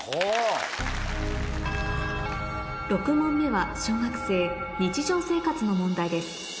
６問目は小学生日常生活の問題です